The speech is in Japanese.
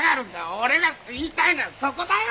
俺が言いたいのはそこだよ！